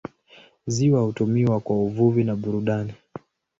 Ziwa hutumiwa kwa uvuvi na burudani.